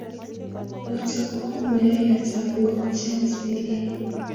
Noto ko mayayatab ngokchet nelel